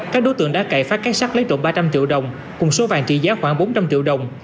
các đối tượng đã cậy phát cái sắt lấy trộm ba trăm linh triệu đồng cùng số vàng trị giá khoảng bốn trăm linh triệu đồng